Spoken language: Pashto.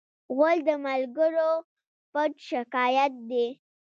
غول د ملګرو پټ شکایت دی.